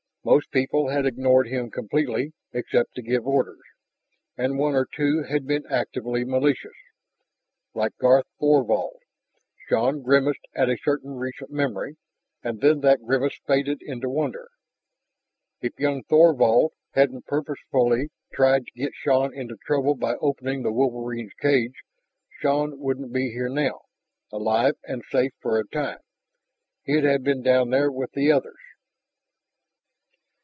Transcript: Most people had ignored him completely except to give orders, and one or two had been actively malicious like Garth Thorvald. Shann grimaced at a certain recent memory, and then that grimace faded into wonder. If young Thorvald hadn't purposefully tried to get Shann into trouble by opening the wolverines' cage, Shann wouldn't be here now alive and safe for a time he'd have been down there with the others.